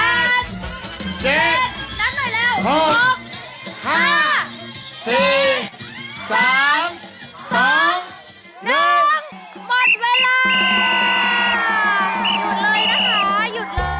หยุดเลยนะคะหยุดเลย